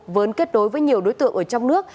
vốn kết nối với nhiều đối tượng ở trong nước